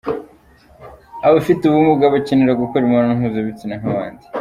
Abafite ubumuga bakenera gukora imibonano mpuzabitsina nk’abandi.